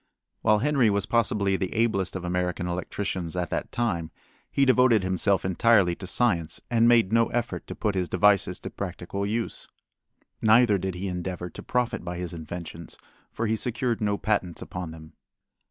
While Henry was possibly the ablest of American electricians at that time, he devoted himself entirely to science and made no effort to put his devices to practical use. Neither did he endeavor to profit by his inventions, for he secured no patents upon them.